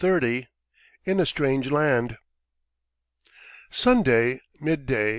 ..." IN A STRANGE LAND SUNDAY, midday.